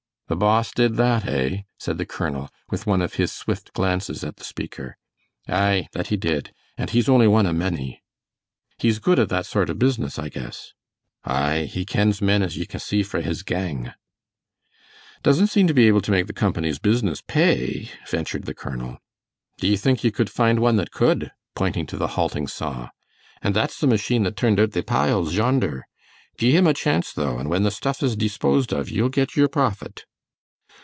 "The boss did that, eh?" said the colonel, with one of his swift glances at the speaker. "Aye, that he did, and he's only one o' many." "He's good at that sort of business, I guess." "Aye, he kens men as ye can see frae his gang." "Doesn't seem to be able to make the company's business pay," ventured the colonel. "D'ye think ye cud find one that cud?" pointing to the halting saw. "An that's the machine that turned oot thae piles yonder. Gie him a chance, though, an' when the stuff is deesposed of ye'll get y're profit."